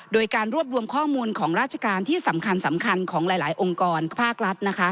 โดยการรวบรวมข้อมูลของราชการที่สำคัญของหลายองค์กรภาครัฐ